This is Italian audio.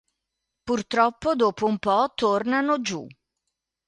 Purtroppo, dopo un po', tornano giù.